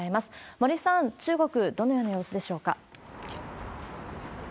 森さん、中国、どのような様子でしょうか。